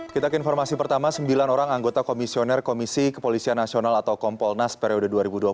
kita ke informasi pertama sembilan orang anggota komisioner komisi kepolisian nasional atau kompolnas periode dua ribu dua puluh dua ribu dua puluh empat